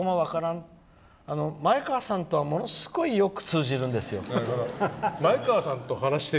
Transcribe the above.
前川さんとはものすごくよく通じるんですよ。